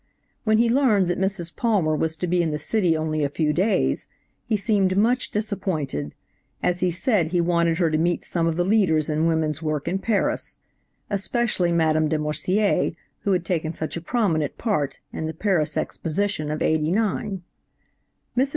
When he learned that Mrs. Palmer was to be in the city only a few days, he seemed much disappointed, as he said he wanted her to meet some of the leaders in women's work in Paris, especially Madame De Morsier, who had taken such a prominent part in the Paris Exposition of '89. Mrs.